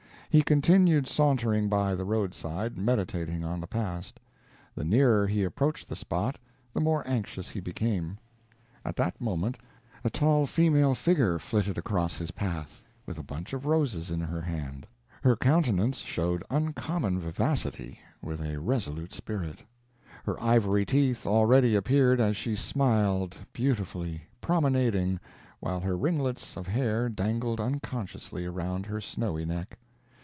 He continued sauntering by the roadside, meditating on the past. The nearer he approached the spot, the more anxious he became. At that moment a tall female figure flitted across his path, with a bunch of roses in her hand; her countenance showed uncommon vivacity, with a resolute spirit; her ivory teeth already appeared as she smiled beautifully, promenading while her ringlets of hair dangled unconsciously around her snowy neck.